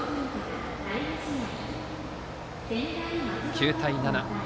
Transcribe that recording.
９対７。